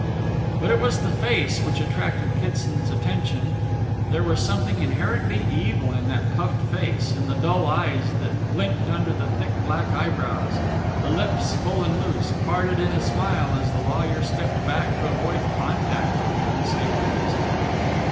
But it was the face which attracted Kitson's attention. There was something inherently evil in that puffed face, in the dull eyes that blinked under the thick black eyebrows. The lips, full and loose, parted in a smile as the lawyer stepped back to avoid contact with the unsavoury visitor.